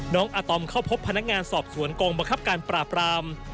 อาตอมเข้าพบพนักงานสอบสวนกองบังคับการปราบราม